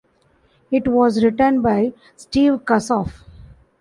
It was written by Steve Kasloff.